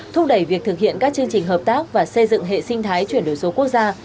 thúc đẩy việc thực hiện các chương trình hợp tác và xây dựng hệ sinh thái chuyển đổi số quốc gia